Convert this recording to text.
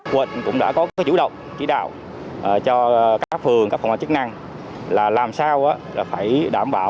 quận cũng đã có cái chủ động chỉ đạo cho các phường các phòng hoạt chức năng là làm sao phải đảm